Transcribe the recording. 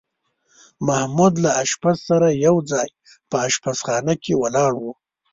محمود له اشپز سره یو ځای په اشپزخانه کې ولاړ و.